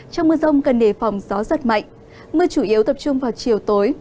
trong mưa rông cần đề phòng gió giật mạnh mưa chủ yếu tập trung vào chiều tối